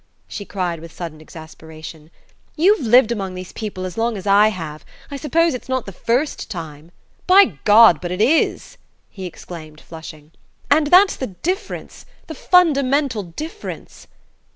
she cried with sudden exasperation. "You've lived among these people as long as I have; I suppose it's not the first time " "By God, but it is," he exclaimed, flushing. "And that's the difference the fundamental difference."